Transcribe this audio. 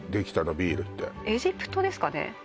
ビールってエジプトですかね？